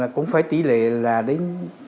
cũng phải tỷ lệ là đến tám mươi